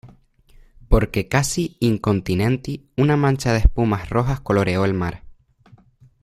porque casi incontinenti una mancha de espumas rojas coloreó el mar